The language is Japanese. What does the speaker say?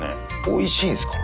おいしいんですか？